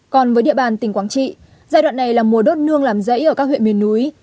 còn với địa bàn tỉnh quảng trị giai đoạn này là mùa đốt nương làm rẫy ở các huyện miền núi